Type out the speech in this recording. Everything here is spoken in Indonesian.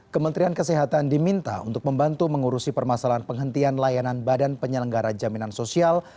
kementerian kesehatan diminta untuk membantu mengurusi permasalahan penghentian layanan badan penyelenggara jaminan sosial